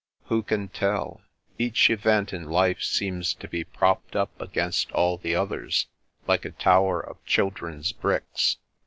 "" Who can tell ? Each event in life seems to be propped up against all the others, like a tower of children's bricks.